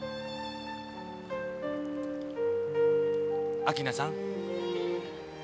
明菜さん。